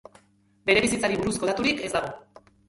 Bere bizitzari buruzko daturik ez dago.